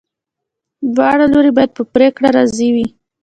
دواړه لوري باید په پریکړه راضي وي.